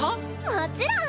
もちろん！